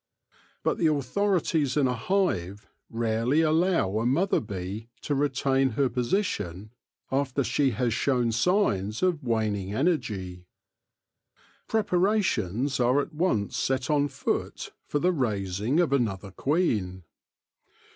But the authorities in a hive rarely allow a mother bee to retain her position after she has shown signs of waning ;6 THE LORE OF THE HONEY BEE anergy. Preparations are at once set on foot for the raising of another queen.